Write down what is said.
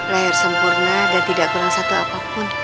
layar sempurna dan tidak kurang satu apapun